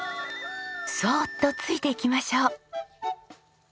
そーっとついていきましょう。